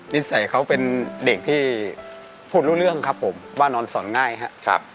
นิสัยเขาเป็นเด็กที่พูดรู้เรื่องครับผมว่านอนสอนง่ายครับ